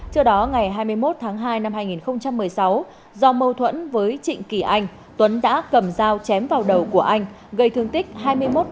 trước đó ngày hai mươi một tháng hai năm hai nghìn một mươi sáu do mâu thuẫn với trịnh kỳ anh tuấn đã cầm dao chém vào đầu của anh gây thương tích hai mươi một